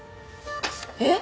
えっ！？